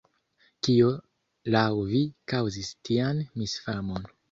Kio laŭ vi kaŭzis tian misfamon?